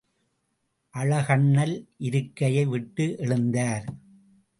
அழகண்ணல் இருக்கையை விட்டு எழுந்தார்.